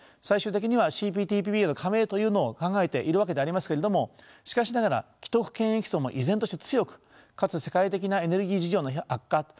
最終的にはＣＰＴＰＰへの加盟というのを考えているわけでありますけれどもしかしながら既得権益層も依然として強くかつ世界的なエネルギー事情の悪化